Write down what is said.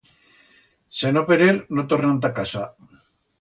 Se no per er, no tornan ta casa.